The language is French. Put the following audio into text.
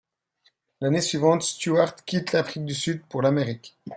L'année suivante, Stuart quitte l'Afrique du Sud pour l'Amérique.